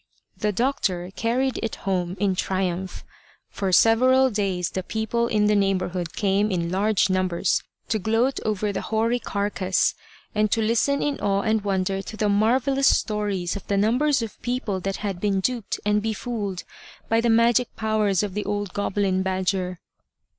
The doctor carried it home in triumph. For several days the people in the neighbourhood came in large numbers to gloat over the hoary carcase, and to listen in awe and wonder to the marvellous stories of the numbers of people that had been duped and befooled by the magic powers of the old goblin badger.